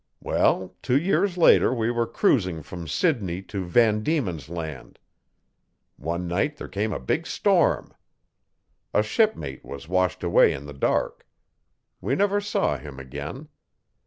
'Well, two years later we were cruising from Sidney to Van Dieman's Land. One night there came a big storm. A shipmate was washed away in the dark. We never saw him again.